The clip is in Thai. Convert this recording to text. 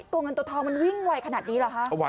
ตัวเงินตัวทองมันวิ่งไวขนาดนี้เหรอคะ